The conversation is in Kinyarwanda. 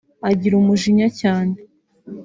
agira umujinya cyane